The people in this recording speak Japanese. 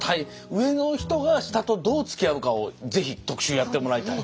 上の人が下とどうつきあうかをぜひ特集やってもらいたい。